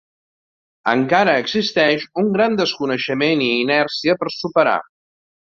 Encara existeix un gran desconeixement i inèrcia per superar.